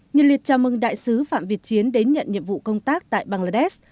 nhân liệt chào mừng đại sứ phạm việt chiến đến nhận nhiệm vụ công tác tại bangladesh